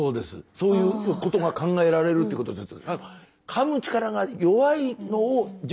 そういうことが考えられるってことです。